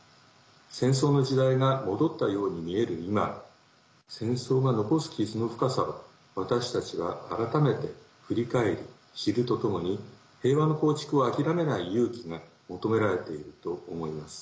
戦争の時代が戻ったように見える今戦争が残す傷の深さを私たちは改めて振り返り知るとともに平和の構築を諦めない勇気が求められていると思います。